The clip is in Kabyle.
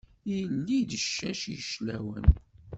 Yelli d ccac yeclawan.